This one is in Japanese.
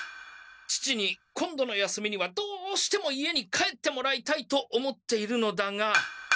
父に今度の休みにはどうしても家に帰ってもらいたいと思っているのだが。